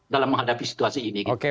dalam menghadapi situasi ini